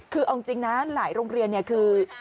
คือเอาจริงนะหลายโรงเรียนเนี่ยคือ